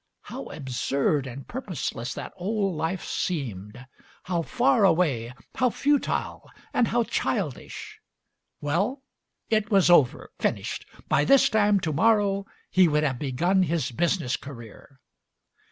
How absurd and purposeless that old life seemed; how far away, how futile, and how childish! Well, Digitized by Google MARY SMITH 147 it was over, finished. By this time to morrow he would have begun his business career.